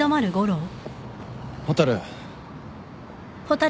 蛍。